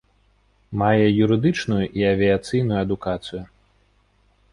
Мае юрыдычную і авіяцыйную адукацыю.